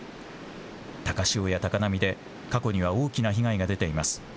高潮や高波で過去には大きな被害が出ています。